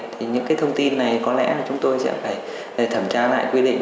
thì những cái thông tin này có lẽ là chúng tôi sẽ phải thẩm tra lại quy định